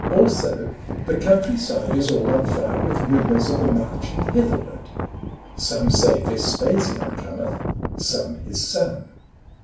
Also, the country side is all on fire With rumours of a marching hitherward : Some say Vespasian cometh, some, his son.